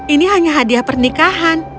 ini hanya hadiah pernikahan